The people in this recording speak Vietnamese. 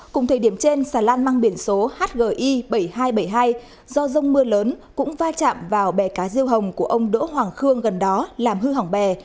cùng thời điểm trên xà lan mang biển số hgi bảy nghìn hai trăm bảy mươi hai do rông mưa lớn cũng va chạm vào bè cá riêu hồng của ông đỗ hoàng khương gần đó làm hư hỏng bè